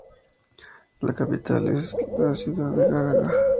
La capital es la ciudad de Gagra.